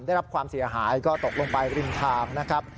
ได้รับความเสียหายก็ตกลงไปริมทางนะครับ